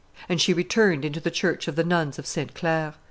And she returned into the church of the nuns of Sainte Claire.